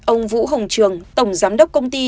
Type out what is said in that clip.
ông vũ hồng trường tổng giám đốc công ty